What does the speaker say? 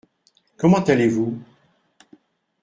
Comment allez-vous ?